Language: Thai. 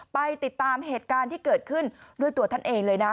ไปติดตามเหตุการณ์ที่เกิดขึ้นด้วยตัวท่านเองเลยนะ